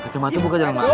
kecuma tuh buka jangan malu